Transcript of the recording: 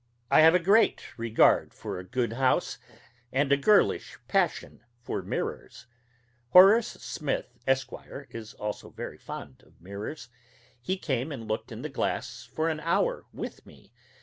I have a great regard for a good house, and a girlish passion for mirrors. Horace Smith, Esq., is also very fond of mirrors. He came and looked in the glass for an hour with me.